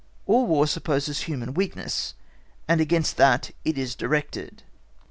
All War supposes human weakness, and against that it is directed.